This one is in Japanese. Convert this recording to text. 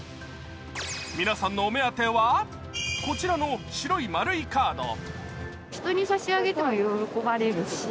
皆さんのお目当てはこちらの白い丸いカード。